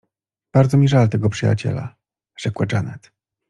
— Bardzo mi żal tego przyjaciela — rzekła Janet.